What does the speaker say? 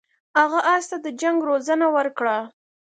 هغه اس ته د جنګ روزنه ورکړه.